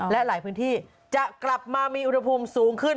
และหลายพื้นที่จะกลับมามีอุณหภูมิสูงขึ้น